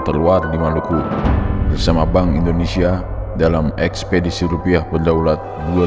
terluar di maluku bersama bank indonesia dalam ekspedisi rupiah berdaulat dua ribu dua puluh